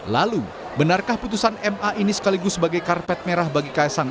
lalu benarkah putusan ma ini sekaligus sebagai karpet merah bagi kaisang